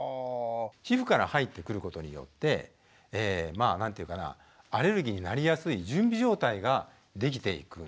皮膚から入ってくることによってまあ何ていうかなアレルギーになりやすい準備状態ができていくんですね。